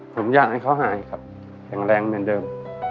ผมอยากให้เขาหายครับแข็งแรงเหมือนเดิม